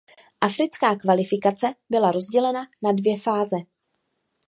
Africká kvalifikace byla rozdělena na dvě fáze.